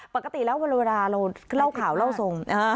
ปกติล่าวเวลาจะเล่าข่าวเล่าทรง